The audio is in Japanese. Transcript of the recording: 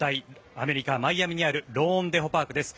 アメリカ・マイアミにあるローンデポ・パークです。